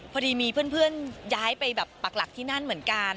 พอดีมีเพื่อนย้ายไปแบบปักหลักที่นั่นเหมือนกัน